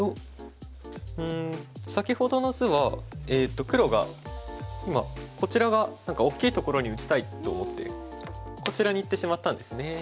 うん先ほどの図は黒が今こちらが何か大きいところに打ちたいと思ってこちらにいってしまったんですね。